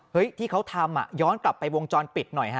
ที่เขาทำย้อนกลับไปวงจรปิดหน่อยฮะ